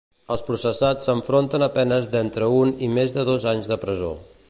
Els processats s'enfronten a penes d'entre un i més de dos anys de presó.